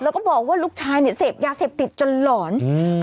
แล้วก็บอกว่าลูกชายเนี่ยเสพยาเสพติดจนหลอนอืม